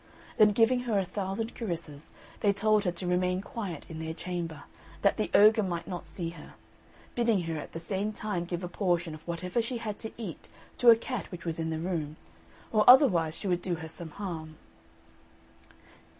Then giving her a thousand caresses, they told her to remain quiet in their chamber, that the ogre might not see her; bidding her at the same time give a portion of whatever she had to eat to a cat which was in the room, or otherwise she would do her some harm.